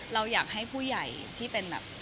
เราอยากให้ผู้ใหญ่ที่เป็นแบบ